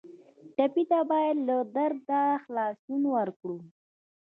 ټپي ته باید له درده خلاصون ورکړو.